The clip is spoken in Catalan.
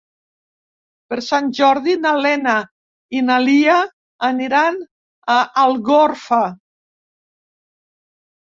Per Sant Jordi na Lena i na Lia aniran a Algorfa.